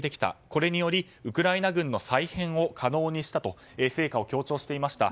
これによりウクライナ軍の再編を可能にしたと成果を強調していました。